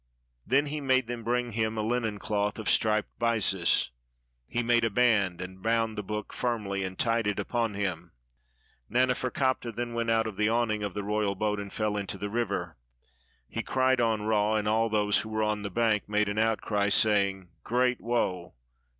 '" Then he made them bring him a linen cloth of striped byssus; he made a band, and bound the book firmly, and tied it upon him. Naneferkaptah then went out of the awning of the royal boat and fell into the river. He cried on Ra; and all those who were on the bank made an outcry, saying, " Great woe!